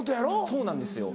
そうなんですよ